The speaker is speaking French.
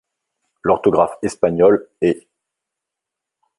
L'orthographe espagnole est '.